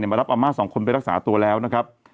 มารับอาม่า๒คนไปรักษาตัวแล้วนะครับ